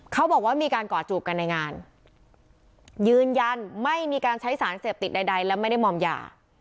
เขาบอกว่ามีการก่อจูบกันในงานยืนยันไม่มีการใช้สารเสพติดใดและไม่ได้มอมยา